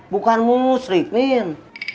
bukan musrik niel